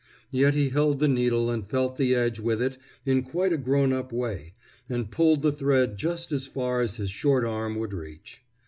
Yet he held the needle and felt the edge with it in quite a grown up way, and pulled the thread just as far as his short arm would reach.